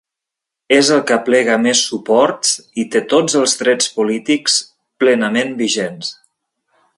És el que aplega més suports i té tots els drets polítics plenament vigents.